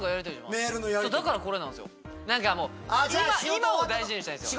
今を大事にしたいんすよ。